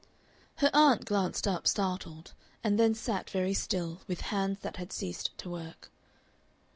Her aunt glanced up startled, and then sat very still, with hands that had ceased to work.